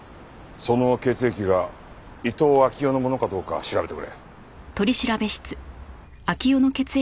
その血液が伊東暁代のものかどうか調べてくれ。